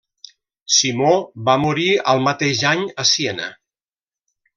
Simó va morir al mateix any a Siena.